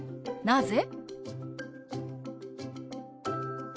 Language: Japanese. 「なぜ？」。